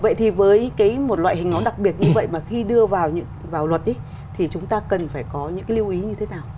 vậy thì với cái một loại hình nó đặc biệt như vậy mà khi đưa vào luật thì chúng ta cần phải có những cái lưu ý như thế nào